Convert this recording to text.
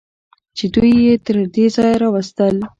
چې دوی یې تر دې ځایه راوستل.